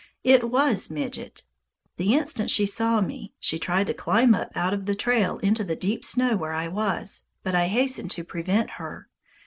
It was Midget! The instant she saw me, she tried to climb up out of the trail into the deep snow where I was, but I hastened to prevent her.